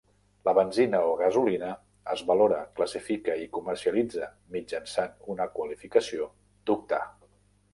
La benzina o gasolina es valora, classifica i es comercialitza mitjançant una qualificació d'octà.